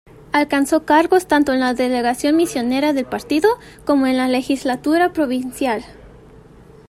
Alcanzó cargos tanto en la delegación misionera del partido como en la legislatura provincial.